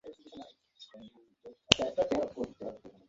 আমি কাঁদছি আমার আপন কান্না, সমাজের কান্না নয়।